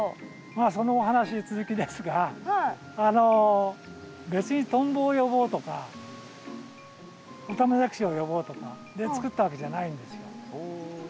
まあそのお話続きですがあの別にトンボを呼ぼうとかオタマジャクシを呼ぼうとかで作ったわけじゃないんですよ。